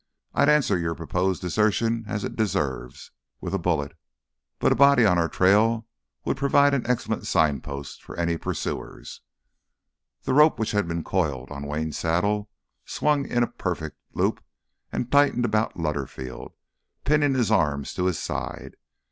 I'd answer your proposed desertion as it deserves—with a bullet—but a body on our trail would provide an excellent signpost for any pursuers." The rope which had been coiled on Wayne's saddle swung out in a perfect loop and tightened about Lutterfield, pinning his arms to his sides.